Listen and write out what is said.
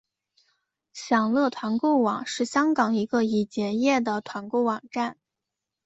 享乐团购网是香港一个已结业的团购网站。